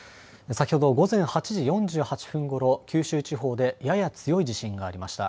先ほど午前８時４８分ごろ九州地方でやや強い地震がありました。